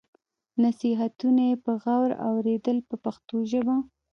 نصیحتونه یې په غور اورېدل په پښتو ژبه.